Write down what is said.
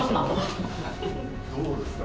どうですか？